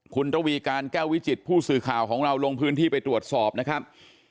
คุณระวีการแก้ววิจิตผู้สื่อข่าวของเราลงพื้นที่ไปตรวจสอบนะครับ